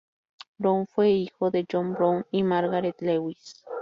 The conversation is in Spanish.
Brown fue hijo de John Brown y Margaret Leys.